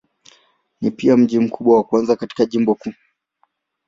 Ni pia mji mkubwa wa kwanza katika jimbo huu.